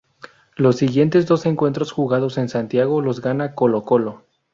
Los siguientes dos encuentros jugados en Santiago los gana Colo-Colo.